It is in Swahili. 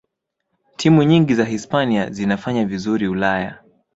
timu nyingi za hispania zinafanya vizuri ulaya